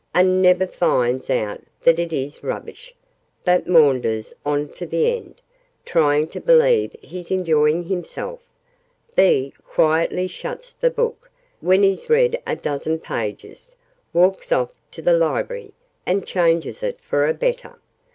A never finds out that it is rubbish, but maunders on to the end, trying to believe he's enjoying himself. B quietly shuts the book, when he's read a dozen pages, walks off to the Library, and changes it for a better!